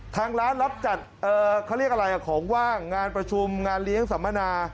ทางร้านรับจัดเขาเรียกอะไรของว่างงานประชุมงานเลี้ยงสัมมนา